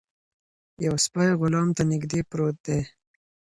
یو سپی غلام ته نږدې پروت دی.